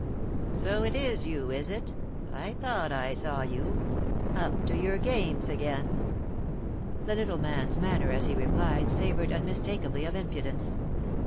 "So it is you, is it ? I thought I saw you. Up to your games again 1 " The little man's manner as he replied, savoured unmistakably of impudence.